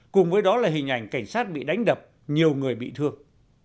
cùng với đó là hình ảnh cảnh sát bị đánh đập nhiều người bị thương